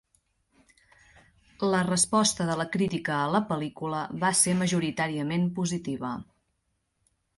La resposta de la crítica a la pel·lícula va ser majoritàriament positiva.